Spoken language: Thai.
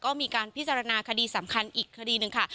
ก็มีการพิจารณาคดีสำคัญอีกคดีหนึ่งค่ะ